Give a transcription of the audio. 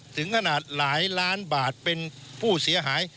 ถึงขนาดหลายล้านบาทเป็นผู้เสียหาย